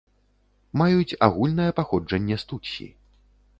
Маюць агульнае паходжанне з тутсі.